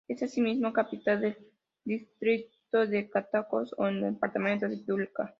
Es asimismo capital del distrito de Catacaos en el departamento de Piura.